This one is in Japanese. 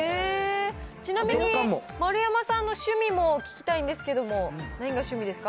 ちなみに丸山さんの趣味も聞きたいんですけれども、何が趣味ですか？